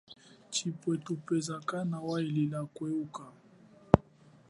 Chibwe thubeza kana wahilila kwehuka.